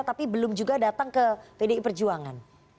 tapi belum juga datang ke pdi perjuangan